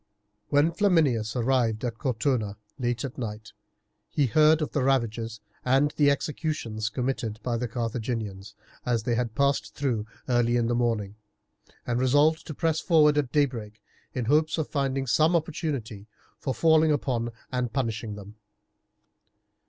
When Flaminius arrived at Cortona late at night he heard of the ravages and executions committed by the Carthaginians, as they had passed through early in the morning, and resolved to press forward at daybreak in hopes of finding some opportunity for falling upon and punishing them.